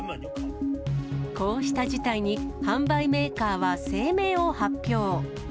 こうした事態に販売メーカーは声明を発表。